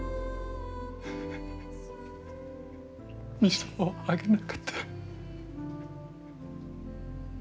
水をあげなかった。